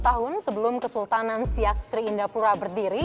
ya seratus tahun sebelum kesultanan siak sri indapura berdiri